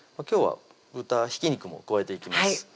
今日は豚ひき肉も加えていきます